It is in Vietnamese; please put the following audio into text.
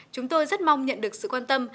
chúng tôi rất mong nhận được sự quan tâm